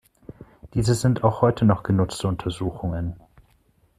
Diese sind auch heute noch genutzte Untersuchungen.